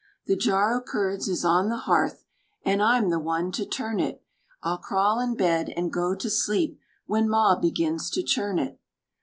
The jar o' curds is on the hearth, An' I'm the one to turn it. I'll crawl in bed an' go to sleep When maw begins to churn it.